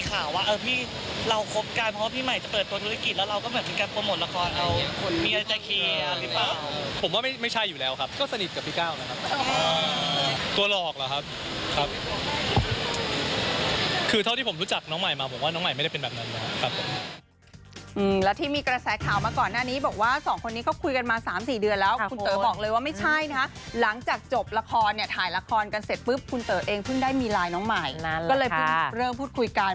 แล้วคุณต่อมาคุณต่อมาคุณต่อมาคุณต่อมาคุณต่อมาคุณต่อมาคุณต่อมาคุณต่อมาคุณต่อมาคุณต่อมาคุณต่อมาคุณต่อมาคุณต่อมาคุณต่อมาคุณต่อมาคุณต่อมาคุณต่อมาคุณต่อมาคุณต่อมาคุณต่อมาคุณต่อมาคุณต่อมาคุณต่อมาคุณต่อมาคุณต่อมาคุณต่อมาคุณต่อมาคุณต่อมาคุณต่อมาคุณต่อมาคุณต่อมาค